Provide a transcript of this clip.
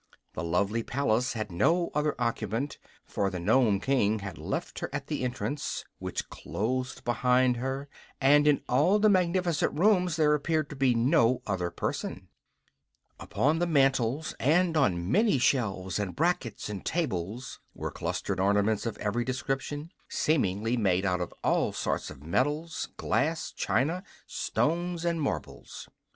The lovely palace had no other occupant, for the Nome King had left her at the entrance, which closed behind her, and in all the magnificent rooms there appeared to be no other person. Upon the mantels, and on many shelves and brackets and tables, were clustered ornaments of every description, seemingly made out of all sorts of metals, glass, china, stones and marbles.